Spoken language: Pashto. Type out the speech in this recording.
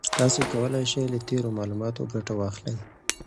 تاسي کولای شئ له تېرو معلوماتو ګټه واخلئ.